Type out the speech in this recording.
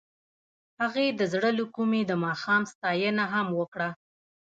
هغې د زړه له کومې د ماښام ستاینه هم وکړه.